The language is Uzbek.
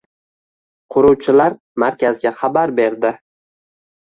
Quruvchilar markazga xabar berdi.